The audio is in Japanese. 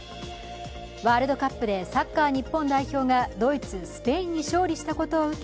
ワールドカップでサッカー日本代表がドイツ、スペインに勝利したことを受け